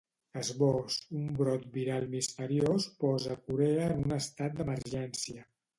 Esbós: Un brot viral misteriós posa Corea en un estat d’emergència.